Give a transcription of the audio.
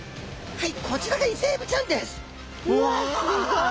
はい！